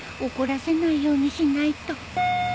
怒らせないようにしないと